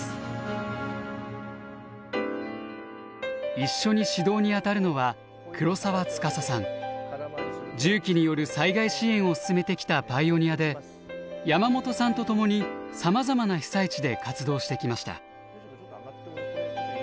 一緒に指導にあたるのは重機による災害支援を進めてきたパイオニアで山本さんと共にさまざまな被災地で活動してきました。